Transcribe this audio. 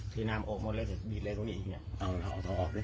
ที่น้ำโอบหมดเลยจะดีดเลยตรงนี้เอาทอดทอดดิ